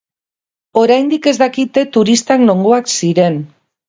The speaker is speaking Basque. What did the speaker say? Oraindik ez dakite turistak nongoak ziren.